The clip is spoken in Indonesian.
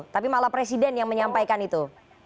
tapi malah presiden yang menyampaikan itu